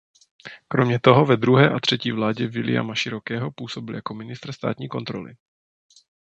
Kromě toho ve druhé a třetí vládě Viliama Širokého působil jako ministr státní kontroly.